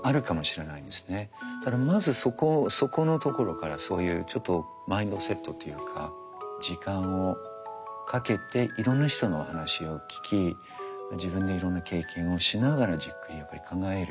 だからまずそこのところからそういうちょっとマインドセットというか時間をかけていろんな人のお話を聞き自分でいろんな経験をしながらじっくりやっぱり考える。